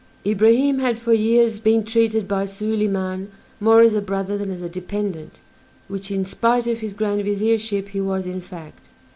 Ibrahim had for years been treated by Soliman more as a brother than as a dependent, which, in spite of his Grand Viziership, he was in fact.